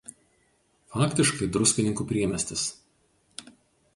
Faktiškai Druskininkų priemiestis.